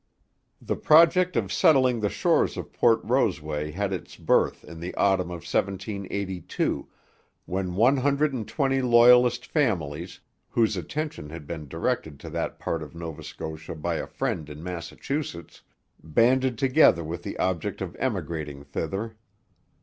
The project of settling the shores of Port Roseway had its birth in the autumn of 1782, when one hundred and twenty Loyalist families, whose attention had been directed to that part of Nova Scotia by a friend in Massachusetts, banded together with the object of emigrating thither.